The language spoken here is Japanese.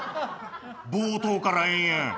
冒頭から延々。